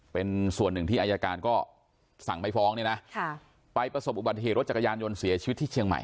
เป็นส่วนหนึ่งที่อายการก็สั่งไปฟ้องเนี่ยนะไปประสบอุบัติเหตุรถจักรยานยนต์เสียชีวิตที่เชียงใหม่